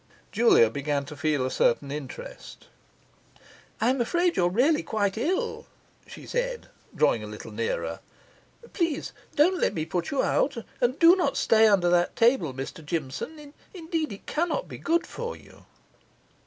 Julia began to feel a certain interest. 'I am afraid you are really quite ill,' she said, drawing a little nearer. 'Please don't let me put you out, and do not stay under that table, Mr Jimson. Indeed it cannot be good for you.